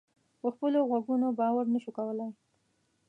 په خپلو غوږونو باور نه شو کولای.